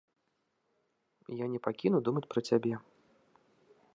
Я не пакіну думаць пра цябе.